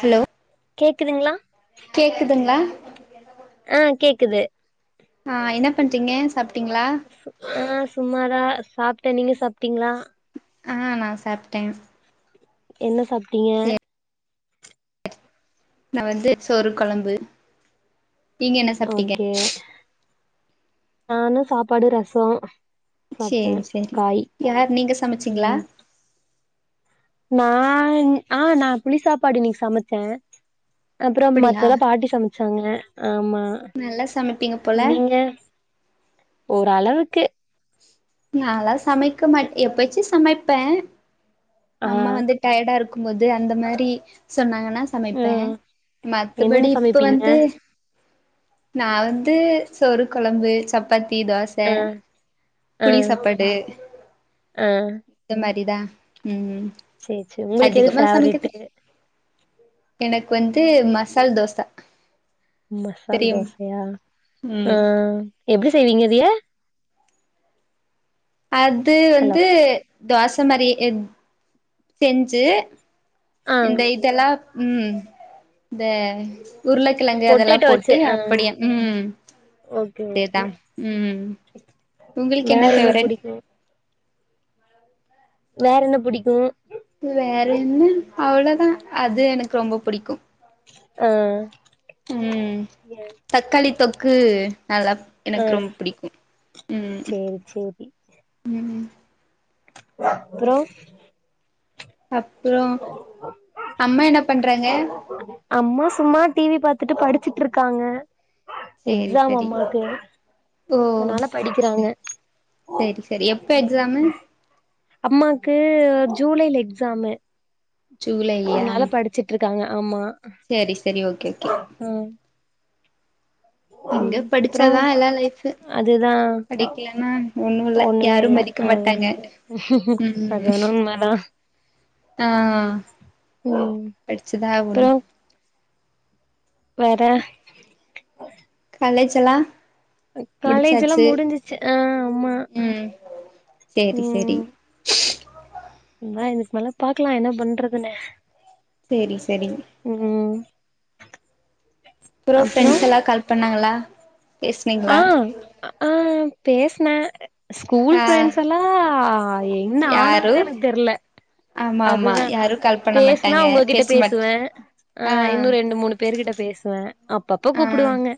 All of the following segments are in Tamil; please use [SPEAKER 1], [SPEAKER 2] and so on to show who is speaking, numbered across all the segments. [SPEAKER 1] ஹலோ
[SPEAKER 2] கேக்குதுங்ளா
[SPEAKER 1] கேக்குதுங்ளா
[SPEAKER 2] ஆ கேக்குது
[SPEAKER 1] ஆ என்ன பண்றீங்க சாப்
[SPEAKER 2] ஆ சும்மாதா சாப்ட்ட நீங்க சாப்ட்டீங்ளா
[SPEAKER 1] ஆ நா சாப்ட்டே
[SPEAKER 2] என்ன சாப்ட்டீங்க
[SPEAKER 1] சே நா வந்து சோறு கொழம்பு நீங்க என்ன சாப்ட்டீங்க
[SPEAKER 2] ஓகே நானு சாப்பாடு ரசொ
[SPEAKER 1] சேரி சேரி யார் நீங்க சமச்சீங்ளா
[SPEAKER 2] ம் நா ஆ நா புளி சாப்பாடு இன்னக்கி சமச்சே அப்பறொ
[SPEAKER 1] அப்படியா
[SPEAKER 2] மத்ததெல்லா பாட்டி சமச் சாங்க ஆமா
[SPEAKER 1] நல்லா சமைப்பீங்க போல
[SPEAKER 2] நீங்க ஓரளவுக்கு
[SPEAKER 1] நாலா சமைக்க மாட்ட எப்பயச்சு சமைப்ப
[SPEAKER 2] ஆ
[SPEAKER 1] அம்மா வந்து டயடா இருக் கும்போது அந்த மாரி சொன்னாங் னா
[SPEAKER 2] ஆ
[SPEAKER 1] சமைப்பே
[SPEAKER 2] என்னென்ன
[SPEAKER 1] மத்தப்படி இப்ப
[SPEAKER 2] சமைப்பீங்க
[SPEAKER 1] வந்து நா வந்து சோறு கொழம்பு சப்பாத் தி தோச
[SPEAKER 2] ஆ ஆ
[SPEAKER 1] புளி சாப்பாடு
[SPEAKER 2] ஆ
[SPEAKER 1] இந்த மாரிதா ம்
[SPEAKER 2] சேர் சேர் உங்களுக்கு எது
[SPEAKER 1] அதிகமா
[SPEAKER 2] ஃபேவரட்டு
[SPEAKER 1] சமைக்க எனக்கு வந்து மசால் தோசா
[SPEAKER 2] மசால் தோசையா ஆ
[SPEAKER 1] ம்
[SPEAKER 2] எப்டி செய்வீங்க அதைய
[SPEAKER 1] அது
[SPEAKER 2] ஹலோ
[SPEAKER 1] வந்து தோஸ் சம்பாறி எக் செஞ்சு
[SPEAKER 2] ஆ
[SPEAKER 1] இந்த இதல்லா ம் த உருளக்கிழங்கு
[SPEAKER 2] பொட்டேட்டோ வச்சு
[SPEAKER 1] அதலாபோட்டு
[SPEAKER 2] ஆ
[SPEAKER 1] அப்படிய ம்
[SPEAKER 2] ஓகே ஓகே
[SPEAKER 1] அதேதா ம் உங்களுக்கு என்ன
[SPEAKER 2] வேற
[SPEAKER 1] ஃபேவரட்
[SPEAKER 2] புடிக்கு வேற என்ன புடிக்கு
[SPEAKER 1] வேற என்னு அவ்வளோதா அது எனக் ரொம்ப புடிக்கு
[SPEAKER 2] அ
[SPEAKER 1] ம் தக்காளி தொக்கு நல்லா
[SPEAKER 2] ஆ
[SPEAKER 1] எனக் ரொம புடிக்கு ம்
[SPEAKER 2] சேரி
[SPEAKER 1] ம்
[SPEAKER 2] ப்ரோ
[SPEAKER 1] அப்புறோ அம்மா என்ன பண்றாங்க
[SPEAKER 2] அம்மா சும்மா டிவி பாத் துட்டு படிச்சிட்ருக்காங்க
[SPEAKER 1] சேரி சரி ஓ
[SPEAKER 2] அதனால படிக்கிறாங்க
[SPEAKER 1] சேரி சரி எப்ப எக்ஸாமு
[SPEAKER 2] அம்மாக்கு ஒர் ஜூலைல எக்ஸாமு
[SPEAKER 1] ஜுலைல்யா
[SPEAKER 2] காங்க அம்மா
[SPEAKER 1] சேரி சரி ஓகே ஒகே பிங்க
[SPEAKER 2] ம் அப்றோ
[SPEAKER 1] படிச்சாதா எல்லா லைஃப்பு
[SPEAKER 2] அதுதா
[SPEAKER 1] படிக்லன்னா ஒன்னு இல்ல
[SPEAKER 2] ஒண்ணுமே
[SPEAKER 1] யாரு
[SPEAKER 2] இல்ல
[SPEAKER 1] மதிக்க
[SPEAKER 2] அது
[SPEAKER 1] மாட்டாங்க
[SPEAKER 2] அது
[SPEAKER 1] ம்
[SPEAKER 2] வேணா உண்மதா
[SPEAKER 1] அ
[SPEAKER 2] ம்
[SPEAKER 1] படிச்சிதா ஆகணு
[SPEAKER 2] அப்றோ வேற
[SPEAKER 1] கலேஜல்லா
[SPEAKER 2] காலேஜ்ல்லா முடிஞ்சிச்சு அ ஆமா
[SPEAKER 1] ம் சேரி சேரி
[SPEAKER 2] ம் அதா இதுக்கு மேல பாக்கலா என்ன பண்றதுனு
[SPEAKER 1] சேரி சரிங்க புரோ
[SPEAKER 2] அப்றோ
[SPEAKER 1] ஃப்ரெண்ட்ஸ் எல்லா கால் பண்ணாங்ளா பேஸ்னிங்ளா
[SPEAKER 2] பேஸ்ன ஸ்கூல் ஃப்ரெண்ட்ஸலா என்ன
[SPEAKER 1] யாரு
[SPEAKER 2] ஆனாங்கனே எனக்கு தெர்ல
[SPEAKER 1] ஆமா ஆமா
[SPEAKER 2] அதுதா
[SPEAKER 1] யாரு கால் பண்ண
[SPEAKER 2] பேஸ்னா
[SPEAKER 1] மாட்டாங்க
[SPEAKER 2] உங்ககிட்ட
[SPEAKER 1] பேச
[SPEAKER 2] பேசுவ
[SPEAKER 1] மாட்
[SPEAKER 2] அ
[SPEAKER 1] ஆ
[SPEAKER 2] இன்னு ரெண்டு மூணு பேரு கிட்ட பேசுவ அப்பப்ப
[SPEAKER 1] ஆ
[SPEAKER 2] கூப்புடுவாங்க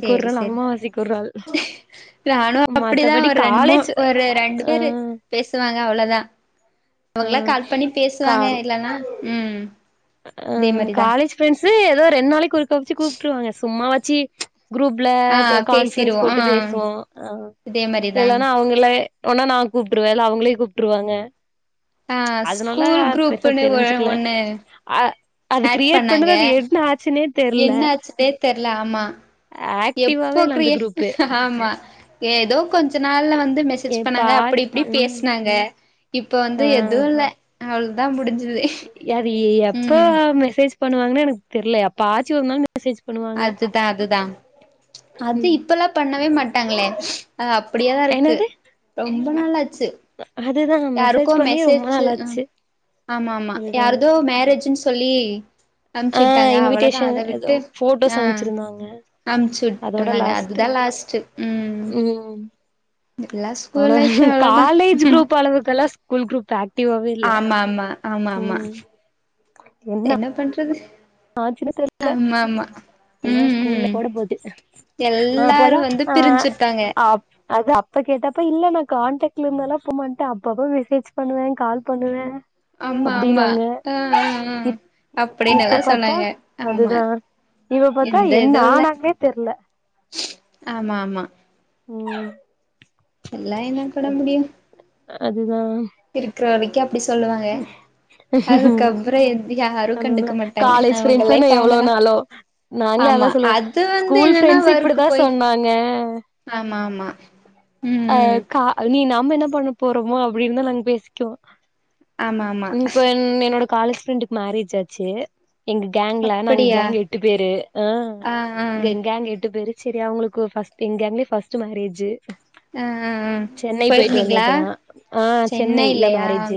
[SPEAKER 1] சேரி சேரி
[SPEAKER 2] அம்மாவாசைக்கொருநாள்
[SPEAKER 1] நானு அப்டிதா
[SPEAKER 2] மத்தபடி
[SPEAKER 1] ஒரு ரெண்டு மூ
[SPEAKER 2] காலேஜ்
[SPEAKER 1] ஒரு ரெண்டு
[SPEAKER 2] அ
[SPEAKER 1] பேரு அவ்ங்ளா கால் பண்ணி பேசுவாங்க இல்லனா ம் இதே
[SPEAKER 2] அ
[SPEAKER 1] மாரிதா
[SPEAKER 2] காலேஜ் ஃப்ரெண்ட்ஸு க ரெண்ட் நாளைக்கொரு குப்ச்சி கூப்ட்ருவாங்க சும்மாவ சி குரூப்ல
[SPEAKER 1] ஆ
[SPEAKER 2] க கான்ப்ரன்ஸ்
[SPEAKER 1] பேசிருவோ ஆ
[SPEAKER 2] போட்டு பேஸ்வோ அ
[SPEAKER 1] இதே மாரிதா
[SPEAKER 2] எல்லனா அவ்ங்ளே ஒன்ன நா கூப்ட்ருவே இல்ல அவ்ங்ளே கூப்ட்ருவாங்க
[SPEAKER 1] அ
[SPEAKER 2] அதனால
[SPEAKER 1] ஸ்கூல்
[SPEAKER 2] பெருசா
[SPEAKER 1] குரூப்புனு ஒரு
[SPEAKER 2] தெரிஞ்சுக்கல
[SPEAKER 1] ஒன்னு
[SPEAKER 2] அ அது கிரியேட் பண்ணது அது என்ன ஆச்சுனே
[SPEAKER 1] என்னாச்சுடே தெர்ல ஆமா எப்போ
[SPEAKER 2] ஆக்டிவாவே இல்ல அந்த
[SPEAKER 1] க்ரியே
[SPEAKER 2] குரூப்பு
[SPEAKER 1] ஆமா ஏதோ கொஞ்ச நாள்ல வ
[SPEAKER 2] எ
[SPEAKER 1] டிப்ஸ்
[SPEAKER 2] பா
[SPEAKER 1] பண்ணாங்க அப்பிடி இப்பிடி
[SPEAKER 2] ம்
[SPEAKER 1] பேஸ்னாங்க இப்ப வந்து எதுவு இல்ல அவ்ளோதா முடிஞ்சுது
[SPEAKER 2] யது இ எப்ப
[SPEAKER 1] ம்
[SPEAKER 2] மெசேஜ் பண்ணுவாங்ன்னு எனக்கு தெர்ல எப்பாச்சு ஒர் நாள் மெசேஜ் பண்ணுவாங்க
[SPEAKER 1] அதுதா அதுதா அது
[SPEAKER 2] ம்
[SPEAKER 1] இப்பல்லா பண்ணவே மாட்டாங்ளே அது அப்டியதா இருக்கு
[SPEAKER 2] என்னது
[SPEAKER 1] ரொம்ப நாள் ஆச்சு
[SPEAKER 2] அதுதா மெசேஜ் பண்ணி ரொம்ப நாளாச்சு
[SPEAKER 1] ஆமாமா
[SPEAKER 2] அதுதா
[SPEAKER 1] யாருதோ மேரேஜின் சொல்லி
[SPEAKER 2] ஆ
[SPEAKER 1] அம்ச்சுட்டாங்க அவளதா
[SPEAKER 2] இன்விடேஷன்
[SPEAKER 1] அத
[SPEAKER 2] ஏதோ
[SPEAKER 1] விட்டு
[SPEAKER 2] போட்டோஸ்
[SPEAKER 1] ஆ
[SPEAKER 2] அனுப்ச்சிருந்தாங்க
[SPEAKER 1] அம்ச்சு
[SPEAKER 2] அதோட
[SPEAKER 1] விட்ருந்தாங்க
[SPEAKER 2] லாஸ்ட்
[SPEAKER 1] அதுதா லாஸ்ட்டு ம்
[SPEAKER 2] ம்
[SPEAKER 1] எல்லா
[SPEAKER 2] ஆனா
[SPEAKER 1] ஸ்கூல் லைஃபு அவ்ளோதா
[SPEAKER 2] காலேஜ் குரூப் அளவுக்கல்லா ஸ்கூல் குரூப் ஃபேக்
[SPEAKER 1] ஆமாமா ஆமாமா என்ன பண் [unintelligible]
[SPEAKER 2] ஆச்சரியத்திலில்ல அ
[SPEAKER 1] ம்
[SPEAKER 2] ஸ்கூல்ல
[SPEAKER 1] ம்
[SPEAKER 2] போடபோது அ
[SPEAKER 1] எல்லாரு
[SPEAKER 2] அப்போலா
[SPEAKER 1] வந்து
[SPEAKER 2] அ
[SPEAKER 1] பிரிஞ்சுட்டாங்க
[SPEAKER 2] அப் அது அப்ப கேட்டப்ப இல்ல நா கான்டக்ட்ல இருந்தாலா போமாட்டே அப்பப்ப மெசேஜ் பண்ணுவே கால் பண்ணுவே
[SPEAKER 1] ஆம்மா ஆம்மா
[SPEAKER 2] அப்டின்னாங்க
[SPEAKER 1] அ அ அ
[SPEAKER 2] இப்
[SPEAKER 1] அப்டின்னல்லா
[SPEAKER 2] இப்ப
[SPEAKER 1] சொன்
[SPEAKER 2] பாத்தா
[SPEAKER 1] னாங்க ஆமா
[SPEAKER 2] அதுதா இப்ப பாத்தா
[SPEAKER 1] எந்த
[SPEAKER 2] என்ன
[SPEAKER 1] இதுல்ல
[SPEAKER 2] ஆனாங்கன்னே தெர்ல
[SPEAKER 1] ஆமா ஆமா
[SPEAKER 2] ம்
[SPEAKER 1] இப்பெல்லா என்ன பண்ண முடியு
[SPEAKER 2] அ அது ஆ
[SPEAKER 1] க்றவரைக்கு அப்டி சொல்லுவாங்க அதுக்கப்றோ எது யாரு
[SPEAKER 2] அதுதா
[SPEAKER 1] கண்டுக்க மாட்டாங்க
[SPEAKER 2] காலேஜ்
[SPEAKER 1] அவுங்க
[SPEAKER 2] ஃப்ரெண்ட்ஸ்ன்னு
[SPEAKER 1] லைப்
[SPEAKER 2] எவ்ளோ
[SPEAKER 1] அவுங்கதா
[SPEAKER 2] நாளோ நாங்களே அதா
[SPEAKER 1] ஆமா
[SPEAKER 2] சொல்லுவோ
[SPEAKER 1] அது வந்து
[SPEAKER 2] ஸ்கூல்
[SPEAKER 1] என்னன்னா
[SPEAKER 2] ஃப்ரெண்ட்ஸ்
[SPEAKER 1] ஒர்க்க்கு
[SPEAKER 2] இப்டிதா
[SPEAKER 1] போய்
[SPEAKER 2] சொன்னாங்க
[SPEAKER 1] ஆம்மாம்மா ம் ம் ம்
[SPEAKER 2] நம்ம என்ன பண்ண போறோமோ அப்டினுதா நாங்க பேசிக்குவோ
[SPEAKER 1] ஆமா ஆமா
[SPEAKER 2] இப்ப என் என்னோட காலேஜ் ஃப்ரெண்டுக்கு மேரேஜ் ஆச்சு எங்க கேங்கல நாங்
[SPEAKER 1] அப்படியா
[SPEAKER 2] கேங் எட்டு பேரு ஆ கேங் எட்டு பேரு சேரி அவுங்குளுக்கு ஃபஸ்ட் எங்க கேங்லயே ஃபஸ்ட்டு மேரேஜ்ஜு
[SPEAKER 1] அ அ அ
[SPEAKER 2] வந்தே
[SPEAKER 1] போயிருந்தீங்களா
[SPEAKER 2] இப்பதா ஆ சென்னை இல்ல
[SPEAKER 1] சென்னைலியா
[SPEAKER 2] மேரேஜ்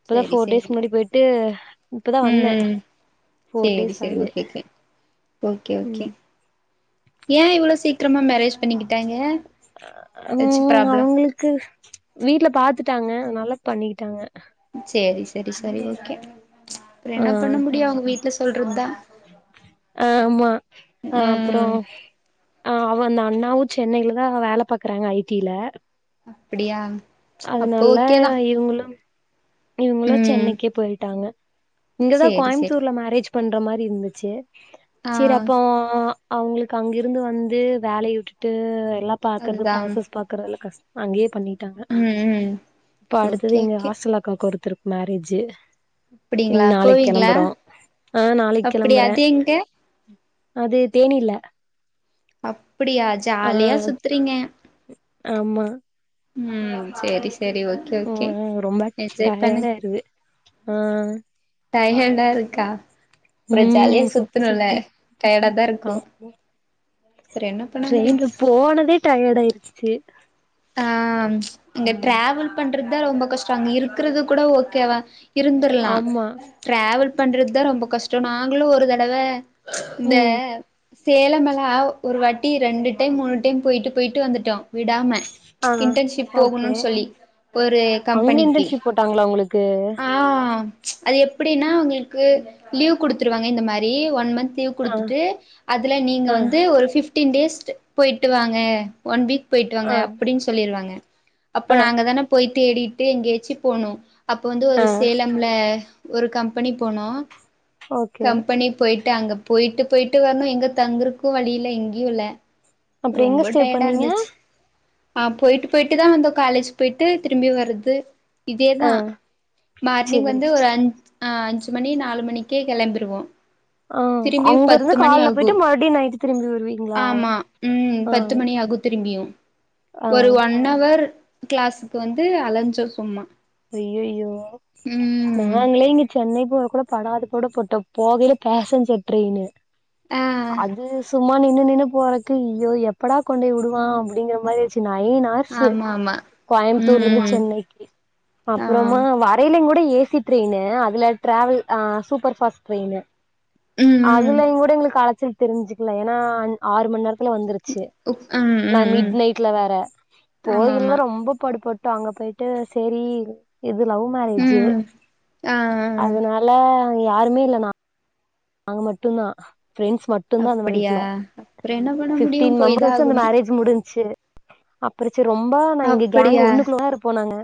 [SPEAKER 2] இப்பதா ஃபோர் டேஸ் முன்னாடி போய்ட் து
[SPEAKER 1] ம் ம் சேரி சேரி
[SPEAKER 2] ஆகுது
[SPEAKER 1] ஓகே ஒகே ஓகே ஓகே
[SPEAKER 2] ம்
[SPEAKER 1] ஏ இவ்ளோ சீக் க்கிரமா மேரேஜ் பண்ணீ
[SPEAKER 2] அ அ ம்
[SPEAKER 1] ப்ராப்ளம்
[SPEAKER 2] அவுங்குளுக்கு வீட்ல பாத்துட்டாங்க அதனால பண்ணிட்டாங்க
[SPEAKER 1] சேரி சேரி சேரி ஓக்கே
[SPEAKER 2] ஆ ஆ
[SPEAKER 1] சொல்றதுதா
[SPEAKER 2] அ ஆமா அ அப்றோ
[SPEAKER 1] ம்
[SPEAKER 2] ஆ அவ அந்த அண்ணாவு சென்னைலதா வேல பாக்குறாங்க ஐ டி ல
[SPEAKER 1] அப்பிடியா
[SPEAKER 2] அதனால இவுங்குளு இவுங்குளு
[SPEAKER 1] ம்
[SPEAKER 2] சென்னைக்கே போய்ட்டாங்க இங்கதா
[SPEAKER 1] சேரி சேரி
[SPEAKER 2] கோய்முத்தூர்ல மேரேஜ் பண்ற மாரி இருந்துச்சு
[SPEAKER 1] ஆ
[SPEAKER 2] சேரி அப்போ அவுங்ளுக்கு அங்கிருந்து வந்து வேலய வுட்டுட்டு எல்லாம் பாக்கறது
[SPEAKER 1] அதுதா ம்
[SPEAKER 2] ப்ராசஸ் பாக்குறது எல்லாம் கஷ்டம் அங்கேயே பண்ணிட்
[SPEAKER 1] ம்
[SPEAKER 2] டாங்கஇப்ப அடுத்தது
[SPEAKER 1] ஓகே
[SPEAKER 2] எங்க
[SPEAKER 1] ஓகே
[SPEAKER 2] ஹாட்ட ஒருத்தருக்கு மேரேஜ்
[SPEAKER 1] அப்டிங்களா போவீங்களா
[SPEAKER 2] ஆ நாளைக்கு
[SPEAKER 1] அப்டியா
[SPEAKER 2] கெளம்புறே
[SPEAKER 1] அது எங்க
[SPEAKER 2] அது தேனில
[SPEAKER 1] அப் அப்படியா
[SPEAKER 2] ஆ
[SPEAKER 1] ஜாலியா சுத்துறீங்க
[SPEAKER 2] ஆமா
[SPEAKER 1] ம் சரி சரி ஓகே
[SPEAKER 2] ஆ
[SPEAKER 1] ஓகே என்ஜாய் பண்ணு
[SPEAKER 2] ம்
[SPEAKER 1] டையண்டா இருக்கா அப்புறம் ஜாலியா
[SPEAKER 2] ம் சுத்தி
[SPEAKER 1] சுத்தணும்ல
[SPEAKER 2] சுத்தி
[SPEAKER 1] டயர்டாதான்
[SPEAKER 2] ஆ
[SPEAKER 1] இருக்கும்
[SPEAKER 2] ட்ரெயின்ல போனதே டயர்ட் ஆயிிருடுச்சு
[SPEAKER 1] ஆ இங்க ட்ிராவல் பண்ற [unintelligible] ஸ்ட்ராங் இருக்கிறது கூட ஓகே ஓகேவா இருந்துரலாம்
[SPEAKER 2] ஆமா
[SPEAKER 1] ட்ிரவல் பண்றது தான் ரொம்ப கஷ்டம் நாங்களும் ஒரு தடவை இந்த
[SPEAKER 2] ம்
[SPEAKER 1] சேலமல ஒரு வாட்டி ரெண்டு டைம் மூணு டைம் போயிட்டு போயிட்டு வந்துட்டோம் விடாம
[SPEAKER 2] ஆ
[SPEAKER 1] இன்டர்ன்ஷிப்
[SPEAKER 2] ஓகே
[SPEAKER 1] போகணும்னுு சொல்லி ஒரு கம்பெனிக்கி
[SPEAKER 2] ஓகே
[SPEAKER 1] அது எப்டின்னா உங்களுக்கு லீவ் குடுத்துருவாங்க இந்த மாரி ஒன் மந்த் லீவு
[SPEAKER 2] ஆ
[SPEAKER 1] குடுத்துட்டு அதுல நீங்க
[SPEAKER 2] ஆ
[SPEAKER 1] வந்து ஒரு பிப்டீன் டேஸ் போயிட்டு வாங்க ஒன் வீக் போயிட்டு வாாங்க
[SPEAKER 2] ஆ
[SPEAKER 1] அப்டின்னு சொல்லிிருவாங்க அப்போ
[SPEAKER 2] ஆ
[SPEAKER 1] நாங்க தானே போய் தேடிட்டு எங்கேயாச்சும் போனோம் அப்ப வந்து
[SPEAKER 2] ஆ
[SPEAKER 1] ஒரு சேலம்ல ஒரு கம்பெனி போனோம்
[SPEAKER 2] ஓகே
[SPEAKER 1] கம்பெனி போயிட்டு அங்க போயிட்டு போயிட்டு வரணும் எங்க தங்கிருக்கும் வழியில எங்கேயும் இல்ல
[SPEAKER 2] அப்டி எங்க
[SPEAKER 1] ரொம்ப
[SPEAKER 2] ஸ்டே
[SPEAKER 1] டயர்டா
[SPEAKER 2] பண்ணீங்க
[SPEAKER 1] இருந்துச்சு ஆ போயிட்டு போயிட்டுதான் வந்தோம் காலேஜ் போயிட்டு திரும்பி வர்றது
[SPEAKER 2] ஆ
[SPEAKER 1] இதேதான் மார்னிங்
[SPEAKER 2] சேரி
[SPEAKER 1] வந்து ஒரு
[SPEAKER 2] சேரி
[SPEAKER 1] அஞ் ஆ அஞ்சு மணி நாலு மணிக்கே கிளம்பிருவோம்
[SPEAKER 2] ஆ அங்க இருந்து கால்ல போயிட்டு மறுபடியும் நைட்டு திரும்பி வருவீங்களா
[SPEAKER 1] ஆமா ம்
[SPEAKER 2] ஆ
[SPEAKER 1] பத்து மணி ஆகு திரும்பியு
[SPEAKER 2] ஆ
[SPEAKER 1] ஒரு ஒன் அவர் கிளாஸ்க்கு வந்து அலஞ்சோ சும்மா
[SPEAKER 2] அய்யோயோ
[SPEAKER 1] ம்
[SPEAKER 2] நாங்களே இங்க சென்னை கூட படாத பாடுபட்டோ போகையில பேசஞ்சர் ட்ரெயின்னு
[SPEAKER 1] ஆ
[SPEAKER 2] அதுஸ் சும்மா நின்னு நின்னு போறக்கு யோ எப்படா கொண்டோய் விடுவான் அப்டிங்கற மாரி ஆயிச்சு நைன் ஹார்ஸ்சு
[SPEAKER 1] ஆமா ஆமா ம்
[SPEAKER 2] கோயம்புத்தூர்ல இருந்து
[SPEAKER 1] ம்
[SPEAKER 2] சென்னைக்கு
[SPEAKER 1] ஆ
[SPEAKER 2] அப்புறமா வரையில இல்லைங் கூட ஏசி டிரெயின்னு அதுல டிராவல் ஆன் சூப்பர் ஃபாஸ்ட் ட்ரெயின்னு
[SPEAKER 1] ம் ம்
[SPEAKER 2] அதுலயு கூட எங்களுக்கு அலைச்சல் தெரிஞ்சுக்கலாம் ஏன்னா ஆறு மண் நேரத் வந்துருச்சு
[SPEAKER 1] உக் ம்
[SPEAKER 2] நா
[SPEAKER 1] ம் ம்
[SPEAKER 2] மிட் நைட்ல வேற
[SPEAKER 1] ஆமா
[SPEAKER 2] போய்இதுவர
[SPEAKER 1] ஆமா
[SPEAKER 2] ரொம்ப பாடுப்பட்டு டாங்க போயிட்டு சேரி இது லவ் மேரேஜு
[SPEAKER 1] ம் ஆ ஆ
[SPEAKER 2] அதனால யாருமே இல்ல நா நாங்க மட்டுந்தா ப்ரெண்ட்ஸ் மட்டுந்தா அந்த
[SPEAKER 1] அப்படியா
[SPEAKER 2] மேரேஜ்ல
[SPEAKER 1] அப்புறம் என்ன பண்ண
[SPEAKER 2] ஃப்பிடின்
[SPEAKER 1] முடியும் போய் தா
[SPEAKER 2] மெம்ரஸ் அந்த
[SPEAKER 1] ஆகணும்
[SPEAKER 2] மேரேஜ் முடிஞ்ச்சு அப்புறு சரி ரொம்ப நா இங்க கேங்க்
[SPEAKER 1] அப்படியா
[SPEAKER 2] ஒண்ணுக்குள்ள தா இருப்போ நாங்க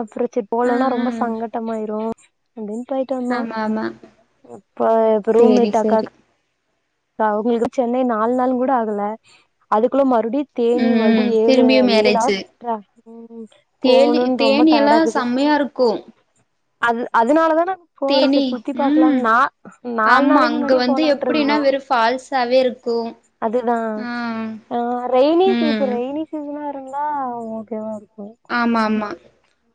[SPEAKER 2] அப்புறச்சி
[SPEAKER 1] ஆ
[SPEAKER 2] போலனா
[SPEAKER 1] ஆ
[SPEAKER 2] ரொம்ப சங்கட்டமாயிரு ஹலோ போய்ட்டு வந்தோ
[SPEAKER 1] ஆமா ஆமா
[SPEAKER 2] இப்ப
[SPEAKER 1] சேரி
[SPEAKER 2] ரூம்மெட்டு
[SPEAKER 1] சேரி
[SPEAKER 2] அக்காக்கு அவங்களுக்கு சென்னை நாலு நாள் கூட ஆகல அதுக்குள்ள ம டுடித் தேனி
[SPEAKER 1] ம்
[SPEAKER 2] மடி
[SPEAKER 1] ம்
[SPEAKER 2] ஏழு
[SPEAKER 1] திரும்பியும்
[SPEAKER 2] ஏழு ஆ
[SPEAKER 1] மேரேஜு
[SPEAKER 2] ட்ரா உம்
[SPEAKER 1] தேனி
[SPEAKER 2] போணுன் ரொம்ப
[SPEAKER 1] தேனி எல்லாம்
[SPEAKER 2] டயர்டாக்குது
[SPEAKER 1] செம்மையா இருக்கும்
[SPEAKER 2] அது அதனால தானா போர
[SPEAKER 1] தேனி
[SPEAKER 2] சர் சுத்தி பாக்கலான்
[SPEAKER 1] ம்
[SPEAKER 2] நா நாலு
[SPEAKER 1] ஆமா
[SPEAKER 2] நாளைக்கு
[SPEAKER 1] அங்க
[SPEAKER 2] முன்னாடியே
[SPEAKER 1] வந்து
[SPEAKER 2] போலான்டு
[SPEAKER 1] எப்படின்னா
[SPEAKER 2] இருந்தோ
[SPEAKER 1] வெறும் ஃபால்ஸாவே இருக்கும்
[SPEAKER 2] அதுதா
[SPEAKER 1] ஆ
[SPEAKER 2] ஆஹ் ரெய்னி
[SPEAKER 1] ம்
[SPEAKER 2] சீசன் ரெயினி சீசனா டுன்னா ஓகேவா இரு
[SPEAKER 1] ஆமா ஆமா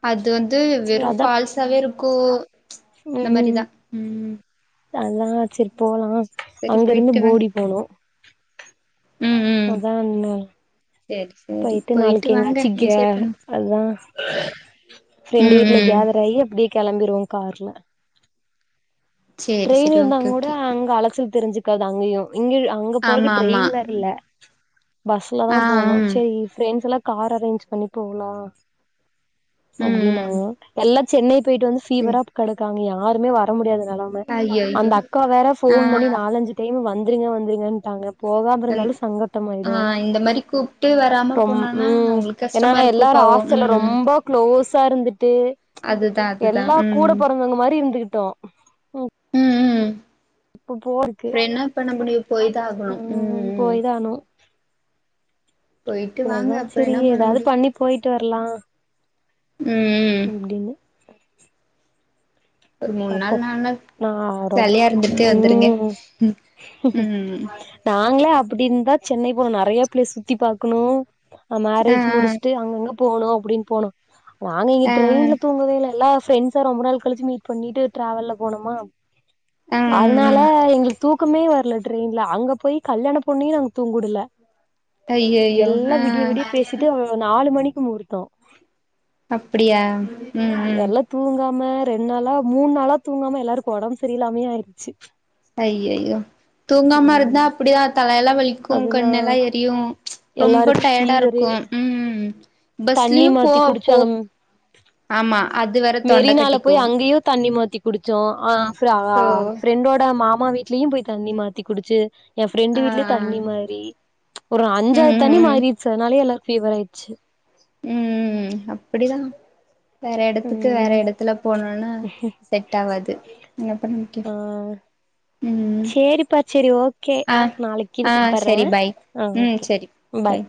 [SPEAKER 1] அது வந்து
[SPEAKER 2] சரி
[SPEAKER 1] வெறு
[SPEAKER 2] அதா
[SPEAKER 1] ஃபால்ஸாவே இருக்கோ இந்த மறிதா உம்
[SPEAKER 2] அல்லா சேரி போலா
[SPEAKER 1] சரி
[SPEAKER 2] அங்க இருந்து
[SPEAKER 1] போயிட்டு வாங்க
[SPEAKER 2] போடி போனோ
[SPEAKER 1] ம் ம்
[SPEAKER 2] அதா அண்ண
[SPEAKER 1] சேரி சேரி
[SPEAKER 2] போயிட்டு நாளைக்கு
[SPEAKER 1] வாங்க
[SPEAKER 2] எங்காச்சி கே
[SPEAKER 1] என்ஜாய் பண்ணு
[SPEAKER 2] அதுதா ஃப்ரெண்டு
[SPEAKER 1] ம்
[SPEAKER 2] வீட்டுல
[SPEAKER 1] ம்
[SPEAKER 2] கேதர் ஆயி அப்டியே கெளம்பிருவோம் கார்ல
[SPEAKER 1] சேரி
[SPEAKER 2] டிரைன்
[SPEAKER 1] சேரி ஓகே
[SPEAKER 2] இருந்தாங்கோட
[SPEAKER 1] ஓகே
[SPEAKER 2] அங்க அலச்சல் தெரிஞ்சிக்காது அங்கேயு இங்க அங்க போறக்கு
[SPEAKER 1] ஆமா ஆமா
[SPEAKER 2] ட்ரெயின் வேற இல்ல பஸ்ல தா
[SPEAKER 1] ஆ
[SPEAKER 2] போனோ
[SPEAKER 1] ம்
[SPEAKER 2] சேரி ஃபிரெண்ட்ஸ் எல்லா கார் அரேஞ் பண்ணி போனா
[SPEAKER 1] ம் ம்
[SPEAKER 2] அப்டினாங்க எல்லத் சென்னைப் போயிட்டு வந்து
[SPEAKER 1] சேரி
[SPEAKER 2] பீவரா கெடக்காங்கயா யாருமே வர் ர முடியாத நெலம
[SPEAKER 1] ஐயோ ஐயோ
[SPEAKER 2] அந்த அக்கா வேற
[SPEAKER 1] ஆ
[SPEAKER 2] ஃபோன் பண்ணி நாலஞ்சி டைம் வந்துருங்க வந்துருங்கன்டாங்க போகாம
[SPEAKER 1] ம்
[SPEAKER 2] இருந்தாலு
[SPEAKER 1] ஆ
[SPEAKER 2] சங்கட்டமாயிடு
[SPEAKER 1] இந்த மாரி கூப்ட்டு வராம
[SPEAKER 2] ரொம்
[SPEAKER 1] போனானா
[SPEAKER 2] ம்
[SPEAKER 1] அவங்களுக்கு
[SPEAKER 2] ஏன்னா
[SPEAKER 1] கஷ்டமா இருக்கு
[SPEAKER 2] எல்லாரு
[SPEAKER 1] பாவோ
[SPEAKER 2] ஆஸ்டல்ல
[SPEAKER 1] ம்
[SPEAKER 2] ரொம்போ க்ளோஸ் இருந்து டு
[SPEAKER 1] அதுதா அதுதா
[SPEAKER 2] எல்லா கூட
[SPEAKER 1] ம்
[SPEAKER 2] பொறந்தவங்க மாறி இருந்துகிட் டோ உ
[SPEAKER 1] உம் உம் ப என்னா பண்ண முடியு போய்தா ஆகணு உம்
[SPEAKER 2] ம்
[SPEAKER 1] உம்
[SPEAKER 2] அதுதா
[SPEAKER 1] அப்றோ
[SPEAKER 2] சேரி
[SPEAKER 1] என்ன பண்ண
[SPEAKER 2] ஏதாவது
[SPEAKER 1] முடியு
[SPEAKER 2] பண்ணி போயிட்டு வரலா
[SPEAKER 1] ம் ம்
[SPEAKER 2] அப்டின்னு
[SPEAKER 1] ஒரு மூணு
[SPEAKER 2] பாப்போ
[SPEAKER 1] நாள் நாலு நாள்
[SPEAKER 2] நா ரம்
[SPEAKER 1] ஜாலியா இருந்துட்டு வந்துருங்க
[SPEAKER 2] உம்
[SPEAKER 1] ம்
[SPEAKER 2] நாங்களே அப் படி இருந்தா சென்னை போன நிறைய ப்ளேஸ் சுத்தி பாக்கணு
[SPEAKER 1] ஆ
[SPEAKER 2] மேரேஜ் முடிச்சுட்டு அங்கங்க போனும் அப்டின்னு போனோ நாங்க இங்க
[SPEAKER 1] ஆ
[SPEAKER 2] ட்ரெயின்ல தூங்கவே இல்ல எல்லா ஃப்ரண்ட்ஸா ரொம்ப நாள் கழிச்சு மீட் பண்ணிட்டு ட்ராவல்ல போனோமா
[SPEAKER 1] ஆ
[SPEAKER 2] அதனால
[SPEAKER 1] ம்
[SPEAKER 2] எங்களுக்கு தூக்கமே வரல ட்ரெயின்ல அங்க போய் கல்யாண பொண்ணயு நாங்க தூங்க உடுல
[SPEAKER 1] ஐயையோ
[SPEAKER 2] எல்லா
[SPEAKER 1] ஆ
[SPEAKER 2] விடிய விடிய பேசிட்டு நாலு மணிக் கு முகூர்த்த
[SPEAKER 1] அப்பிடியா ம் ம்
[SPEAKER 2] ம ரெண் நாளா மூணு நாளா தூங்காம எல்லாருக்கு ஒடம்பு சரியில்லாமேயே ஆயிருச்சு
[SPEAKER 1] ஐயயோ தூங்காம இருந்தா
[SPEAKER 2] ம்
[SPEAKER 1] அப்பிடிதா தலையெல்லா வலி க்கு
[SPEAKER 2] அதுதா
[SPEAKER 1] கண்ணெல்லா எரியு ரொம்ப
[SPEAKER 2] எல்லாருக்கு
[SPEAKER 1] டயர்டா
[SPEAKER 2] ஃபீவரு
[SPEAKER 1] இருக்கு ம்
[SPEAKER 2] தண்ணி
[SPEAKER 1] பஸ்லியும் போ
[SPEAKER 2] மாத்தி
[SPEAKER 1] போ
[SPEAKER 2] குடிச்சாங்க
[SPEAKER 1] ஆமா அது வேற தொண்ட கட்டிக்கு
[SPEAKER 2] ணி மாத்தி குடிச்சோ அ ப்ற
[SPEAKER 1] சோ
[SPEAKER 2] ஃப்ரெண்டோட மா மா வீட்லயு போய் தண்ணி மாத்தி குடுச்சு எ ஃப்ரெண்டு
[SPEAKER 1] ஆ
[SPEAKER 2] வீட்லியு
[SPEAKER 1] ஆ
[SPEAKER 2] தண்ணி மாரி ஒரு
[SPEAKER 1] ம்
[SPEAKER 2] அஞ்சாறுது
[SPEAKER 1] ம்
[SPEAKER 2] தண்ணி
[SPEAKER 1] ம்
[SPEAKER 2] மாறிடுச்ச அதுனாலே எல்லாருக் ஃபீவர் ஆயிட்ச்சு
[SPEAKER 1] ம் ம் ம் அப்புடிதா வேற எடத்துக்கு வேற
[SPEAKER 2] ம்
[SPEAKER 1] எடத்துல போண ஆனா செட் ஆவாது என்ன பன் ங்
[SPEAKER 2] ஆ
[SPEAKER 1] யூ
[SPEAKER 2] சேரிப்பா சேரி ஓகே
[SPEAKER 1] ஆ
[SPEAKER 2] நாளைக்கீது
[SPEAKER 1] ஆ
[SPEAKER 2] கூப்பற்ற
[SPEAKER 1] சரி பாய்
[SPEAKER 2] அ
[SPEAKER 1] ம்
[SPEAKER 2] ஓகே
[SPEAKER 1] சரி
[SPEAKER 2] பாய்